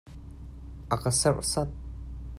A ka serhsat.